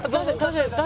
誰？